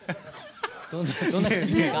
どんな感じですか？